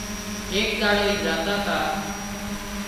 ايڪ ڏاڙو اي زاتا تا